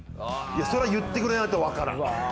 それ言ってくれないとわからん。